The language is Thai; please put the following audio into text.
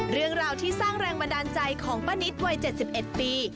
เรื่องราวที่สร้างแรงบันดาลใจของป้านิตวัย๗๑ปี